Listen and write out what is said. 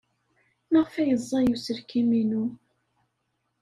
Maɣef ay ẓẓay uselkim-inu?